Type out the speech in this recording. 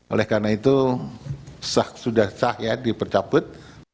oleh karena itu sah sudah sah ya dipercabut